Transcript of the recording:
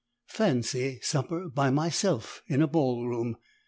Fancy supper by myself in a ball room!